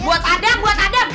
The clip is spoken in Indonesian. buat adam buat adam